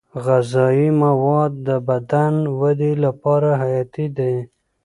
غذايي مواد د بدن ودې لپاره حیاتي دي.